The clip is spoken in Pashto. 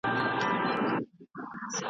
د پردي ملا په خوله به خلک نه سي غولېدلای ..